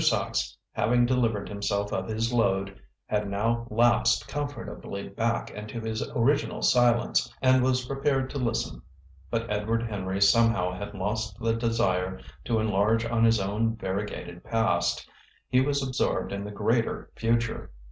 Sachs, having delivered himself of his load, had now lapsed comfortably back into his original silence, and was prepared to listen. But Edward Henry somehow had lost the desire to enlarge on his own variegated past. He was absorbed in the greater future.